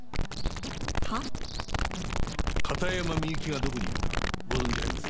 は？片山みゆきがどこにいるかご存じありませんか？